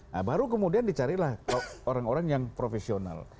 nah baru kemudian dicarilah orang orang yang profesional